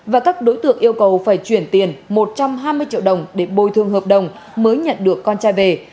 và các đối tượng yêu cầu phải chuyển tiền một trăm hai mươi triệu đồng để bồi thương hợp đồng mới nhận được con trai về